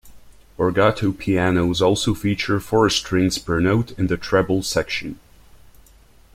Borgato pianos also feature four strings per note in the treble section.